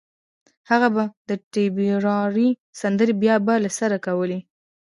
هغه به د ټيپيراري سندره بيا بيا له سره کوله